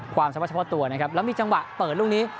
ความสามารถเฉพาะตัวนะครับแล้วมีจังหวะเปิดลูกนี้